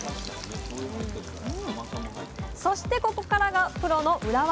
そしてここからがプロの裏技。